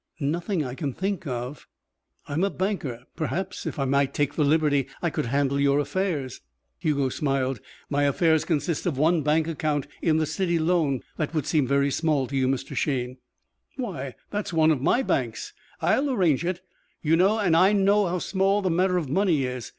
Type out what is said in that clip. "Nothing I can think of " "I'm a banker. Perhaps if I might take the liberty I could handle your affairs?" Hugo smiled. "My affairs consist of one bank account in the City Loan that would seem very small to you, Mr. Shayne." "Why, that's one of my banks. I'll arrange it. You know and I know how small the matter of money is.